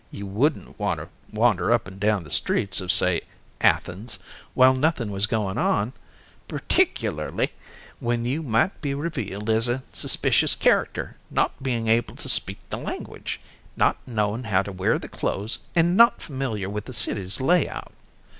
You wouldn't want to wander up and down the streets of, say, Athens while nothing was going on, particularly when you might be revealed as a suspicious character not being able to speak the language, not knowing how to wear the clothes and not familiar with the city's layout."